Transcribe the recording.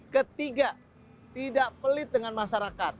ketiga tidak pelit dengan masyarakat